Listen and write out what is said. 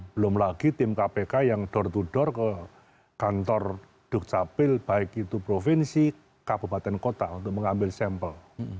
belum lagi tim kpk yang door to door ke kantor dukcapil baik itu provinsi kabupaten kota untuk mengambil sampel